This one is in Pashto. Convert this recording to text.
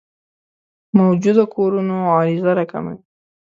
موجوده کورونو عرضه راکموي.